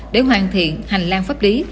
để hoàn thiện hành lang pháp lý